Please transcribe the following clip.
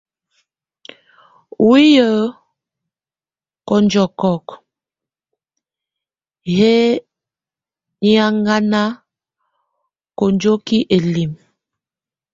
Hiuye kɔnjɔkɔk, hɛ́ yaŋngala konjoki elim.